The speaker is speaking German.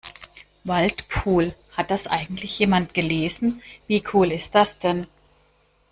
Waldpool, hat das eigentlich jemand gelesen? Wie cool ist das denn?